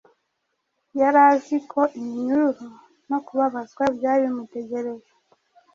Yari azi ko iminyururu no kubabazwa byari bimutegereje